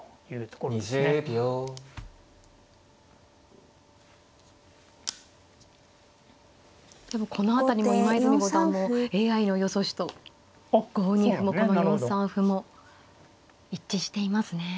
でもこの辺りも今泉五段もＡＩの予想手と５二歩もこの４三歩も一致していますね。